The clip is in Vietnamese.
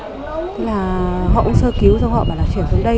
thế là họ cũng sơ cứu cho họ bảo là chuyển xuống đây